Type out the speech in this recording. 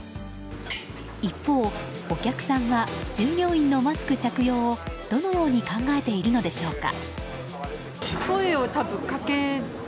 一方、お客さんは従業員のマスク着用をどのように考えているのでしょうか。